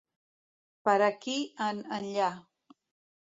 Per aquí en enllà.